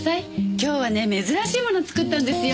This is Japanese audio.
今日はね珍しいもの作ったんですよ。